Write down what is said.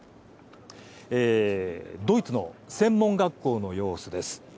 ドイツの専門学校の様子です。